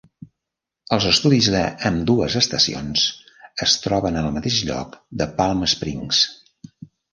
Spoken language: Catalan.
Els estudis d'ambdues estacions es troben en el mateix lloc de Palm Springs.